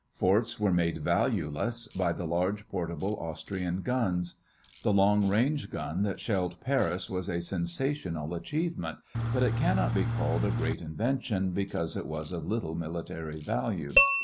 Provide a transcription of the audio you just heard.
Forts were made valueless by the large portable Austrian guns. The long range gun that shelled Paris was a sensational achievement, but it cannot be called a great invention because it was of little military value.